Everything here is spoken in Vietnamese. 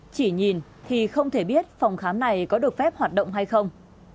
chỉ nhìn thì không thể biết phòng khám này có được phép hoạt động